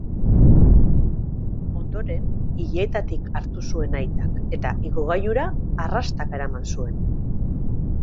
Ondoren, ileetatik hartu zuen aitak, eta igogailura arrastaka eraman zuen.